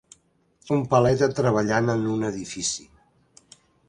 Un paleta treballant en un edifici.